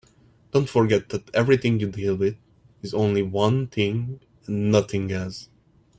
Don't forget that everything you deal with is only one thing and nothing else.